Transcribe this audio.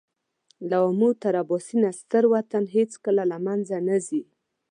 له آمو تر اباسینه ستر وطن هېڅکله له مېنځه نه ځي.